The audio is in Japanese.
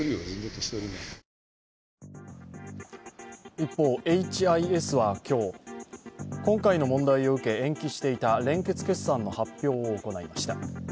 一方、エイチ・アイ・エスは今日、今回の問題を受け延期していた連結決算の発表を行いました。